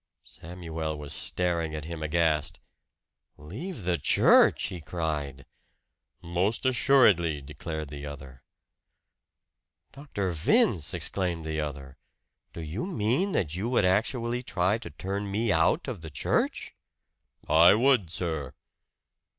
Samuel was staring at him aghast. "Leave the church!" he cried. "Most assuredly!" declared the other. "Dr. Vince!" exclaimed the other. "Do you mean that you would actually try to turn me out of the church?" "I would, sir!"